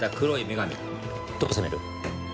どう攻める？